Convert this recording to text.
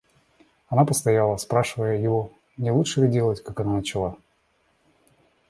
Она постояла, спрашивая его, не лучше ли делать, как она начала.